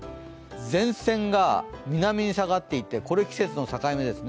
前線が南に下がっていってこれ季節の境目です。